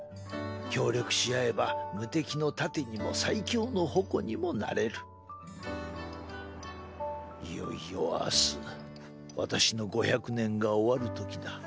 協力し合えば無敵の盾にも最強の矛にもなれる「いよいよ明日私の５００年が終わるときだ。